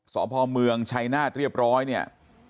สพเมืองชัยหน้าเรียบร้อย